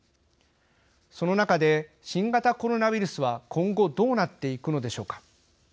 その中で新型コロナウイルスは今後どうなっていくのでしょうか。